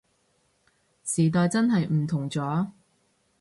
時代真係唔同咗